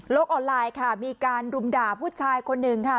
ออนไลน์ค่ะมีการรุมด่าผู้ชายคนหนึ่งค่ะ